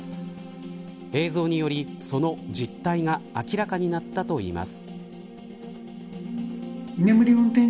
映像により、その実態が明らかになったといいます。